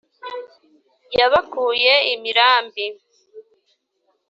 Yabakuye imirambi